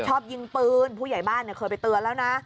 ชอบยิงปืนผู้ใหญ่บ้านเคยไปเตือนแล้วนะ